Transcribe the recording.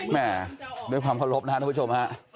แม่ด้วยความเคารพนะครับทุกผู้ชมฮะ